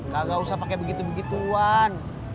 kagak usah pake begitu begituan